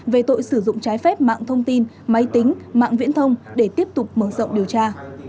về tội sử dụng trái phép mạng thông tin máy tính mạng viễn thông để tiếp tục mở rộng điều tra